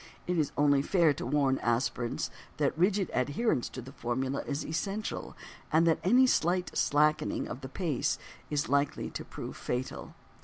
It is only fair to warn aspirants that rigid adherence to the formula is essential and that any slight slackening of the pace is likely to prove fatal.